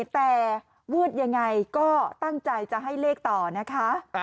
แต่วืดยังไงก็ตั้งใจจะให้เลขต่อนะคะ